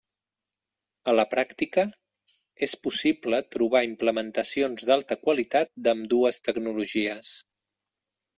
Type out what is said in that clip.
A la pràctica, és possible trobar implementacions d'alta qualitat d'ambdues tecnologies.